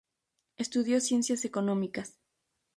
Estudió Ciencias Económicas.